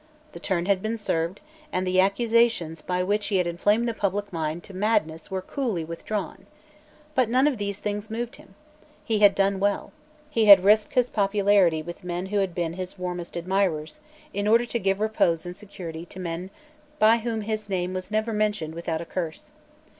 The turn had been served; and the accusations by which he had inflamed the public mind to madness were coolly withdrawn, But none of these things moved him. He had done well. He had risked his popularity with men who had been his warmest admirers, in order to give repose and security to men by whom his name was never mentioned without a curse.